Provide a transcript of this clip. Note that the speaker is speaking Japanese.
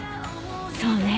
そうね。